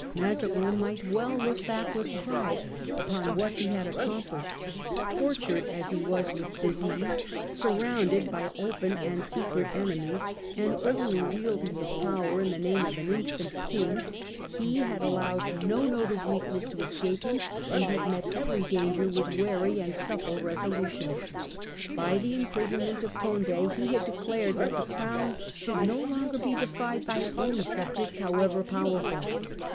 Mazarin might well look back with pride upon what he had accomplished. Tortured as he was with disease, what surrounded by open and secret enemies, and accom 11 had only wielding his power in the name of an plished. infant King, he had allowed no note of weak ness to escape him, and had met every danger with wary and supple resolution. By the imprisonment of Cond£ he had declared that the Crown should no longer be defied by any subject, however powerful.